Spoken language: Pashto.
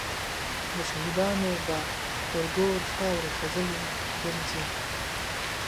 د شهیدانو به پر ګور خاوري خزلي ګرځي